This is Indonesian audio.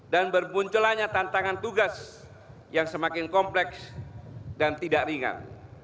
dan berpunculannya tantangan tugas yang semakin kompleks dan tidak ringan